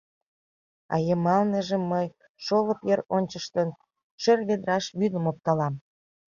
А йымалныже мый, шолып йыр ончыштын, шӧр ведраш вӱдым опталам...